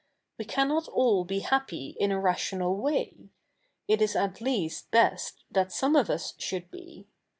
We cannot all be happy in a ratio7ial way. It is at least best that so77ie of us should be.